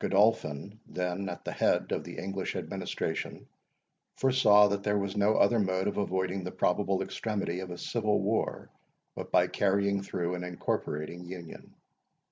Godolphin, then at the head of the English administration, foresaw that there was no other mode of avoiding the probable extremity of a civil war, but by carrying through an incorporating union.